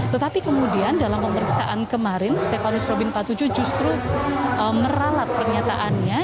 tetapi kemudian dalam pemeriksaan kemarin stefanus robin empat puluh tujuh justru meralat pernyataannya